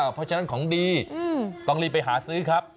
เพราะฉะนั้นของดีต้องรีบไปหาซื้อครับ